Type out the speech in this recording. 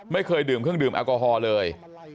ไม่เคยดื่มเครื่องดื่มแอลกอฮอล์เลย